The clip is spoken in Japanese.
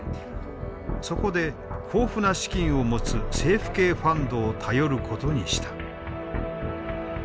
そこで豊富な資金を持つ政府系ファンドを頼ることにした。